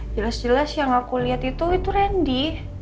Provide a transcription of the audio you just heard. jelas jelas yang aku lihat itu itu randy